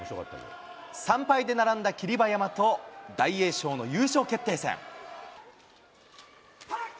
３敗で並んだ霧馬山と大栄翔の優勝決定戦。